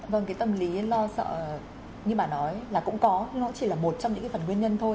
vâng cái tâm lý lo sợ như bà nói là cũng có nó chỉ là một trong những cái phần nguyên nhân thôi